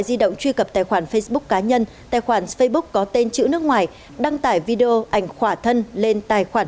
di động truy cập tài khoản facebook cá nhân tài khoản facebook có tên chữ nước ngoài đăng tải video ảnh khỏa thân lên tài khoản